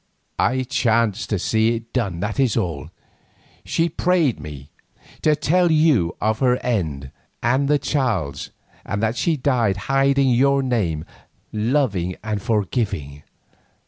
"I chanced to see it done, that is all. She prayed me to tell you of her end and the child's, and that she died hiding your name, loving and forgiving.